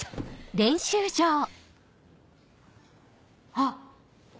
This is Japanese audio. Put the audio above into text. あっ！